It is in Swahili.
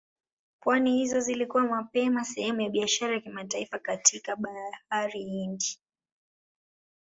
Pwani hizo zilikuwa mapema sehemu ya biashara ya kimataifa katika Bahari Hindi.